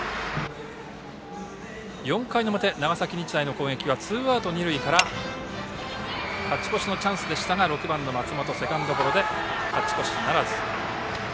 ４回の表、長崎日大の攻撃はツーアウト二塁から勝ち越しのチャンスでしたが６番の松本、セカンドゴロで勝ち越しならず。